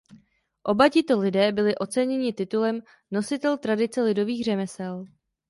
Oba tito lidé byli oceněni titulem "Nositel tradice lidových řemesel".